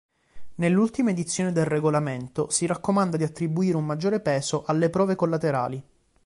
Nell'ultima edizione del Regolamento, si raccomanda di attribuire un maggiore peso alle prove collaterali.